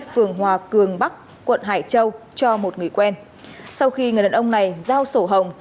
phường hòa cường bắc quận hải châu cho một người quen sau khi người đàn ông này giao sổ hồng